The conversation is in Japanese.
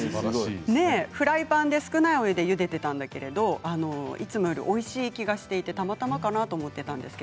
フライパンで少ないお湯でゆでていたんだけどいつもよりおいしい気がしていてたまたまかなと思っていたんですが